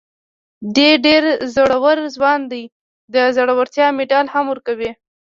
دی ډېر زړور ځوان دی، د زړورتیا مېډال هم ورکوي.